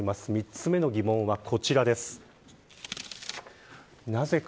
３つ目の疑問はこちらです。